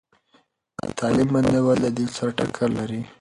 د تعليم بندول د دین سره ټکر لري.